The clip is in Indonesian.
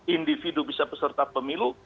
individu bisa peserta pemilu